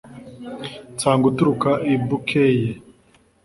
Nsanga uturuka i Bukeye,